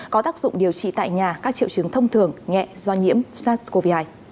có tác dụng điều trị tại nhà các triệu chứng thông thường nhẹ do nhiễm sars cov hai